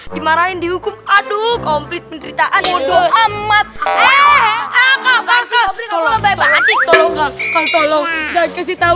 dimarahin dihukum aduh komplit penderitaan ibu doang amat eh apa apa tolong tolong jangan kasih tahu